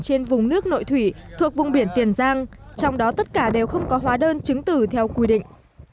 trên vùng nước nội thủy thuộc vùng biển tiền giang trong đó tất cả đều không có hóa đơn chứng tử theo quy định